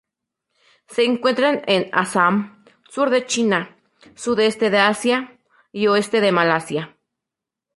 Se encuentran en Assam, sur de China, sudeste de Asia, y oeste de Malasia.